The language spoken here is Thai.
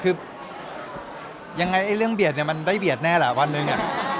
คือยังไงเรื่องเบียดเนี่ยมันได้เบียดแน่แหละวันหนึ่ง